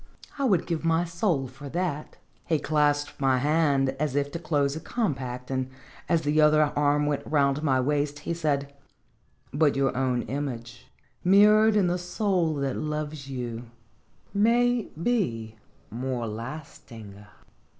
I would give my soul for that." He clasped my hand as if to close a compact, and, as the other arm went round my waist, he said: "But your own image, mirrored in the soul that loves you, maybe more lasting."